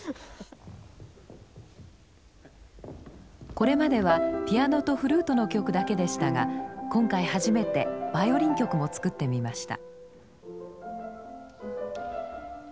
これまではピアノとフルートの曲だけでしたが今回初めてバイオリン曲も作ってみました。